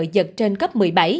dật trên cấp một mươi bảy